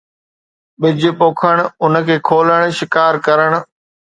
ٻج پوکڻ ، ان کي کولڻ ، شڪار ڪرڻ